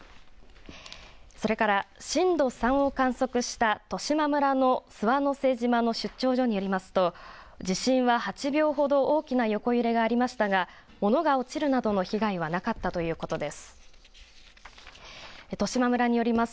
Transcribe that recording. それから震度３を観測した十島村の諏訪之瀬島の出張所によりますと地震は８秒ほど大きな横揺れがありましたが、物が落ちるなどの被害はなかったということです。